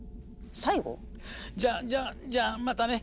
最後？じゃあじゃあじゃあまたね。